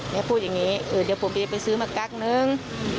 พูดอย่างนี้เดี๋ยวผมจะไปซื้อมากั๊กนึง